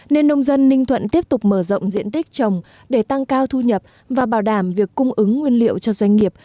nên nông dân ninh thuận tiếp tục mở rộng diện tích trồng để tăng cao thu nhập và bảo đảm việc cung ứng nguyên liệu cho doanh nghiệp